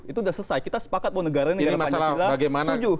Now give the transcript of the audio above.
itu sudah selesai kita sepakat bahwa negara ini adalah pancasila